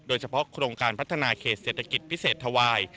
โดยเฉพาะโครงการพัฒนาเคสเศรษฐกิจพิเศษทวาย